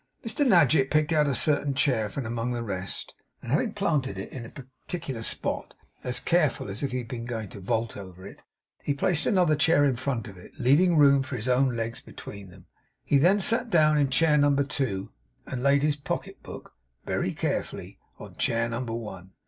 Mr Nadgett picked out a certain chair from among the rest, and having planted it in a particular spot, as carefully as if he had been going to vault over it, placed another chair in front of it; leaving room for his own legs between them. He then sat down in chair number two, and laid his pocket book, very carefully, on chair number one.